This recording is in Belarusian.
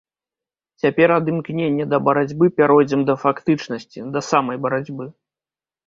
Цяпер ад імкнення да барацьбы пяройдзем да фактычнасці, да самай барацьбы.